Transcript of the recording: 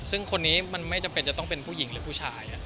ซึ่งคนนี้มันไม่จำเป็นจะต้องเป็นผู้หญิงหรือผู้ชาย